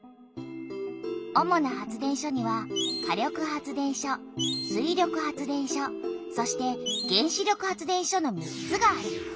主な発電所には火力発電所水力発電所そして原子力発電所の３つがある。